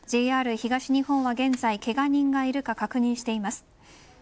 ＪＲ東日本は現在けが人がいるか確認しています。